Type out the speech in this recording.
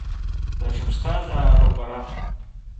Даҽа ԥсҭазаароуп ара…